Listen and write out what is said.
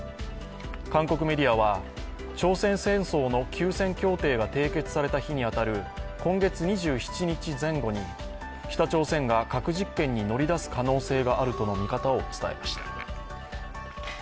韓国メディアは、朝鮮戦争の休戦協定が締結された日に当たる今月２７日前後に北朝鮮が核実験に乗り出す可能性があるとの見方を伝えました。